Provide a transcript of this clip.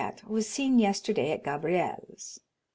was seen yesterday at Gabrielle's.